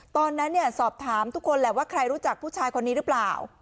ตอนนั้นสอบถามทุกคนแหละว่าใครรู้จักผู้ชายคนนี้หรือเปล่า